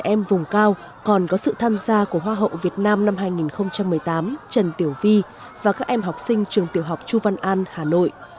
các em vùng cao còn có sự tham gia của hoa hậu việt nam năm hai nghìn một mươi tám trần tiểu vi và các em học sinh trường tiểu học chu văn an hà nội